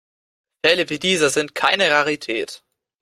Fälle wie dieser sind keine Rarität.